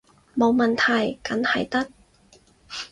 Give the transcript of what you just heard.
冇問題，梗係得